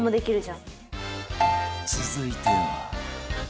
続いては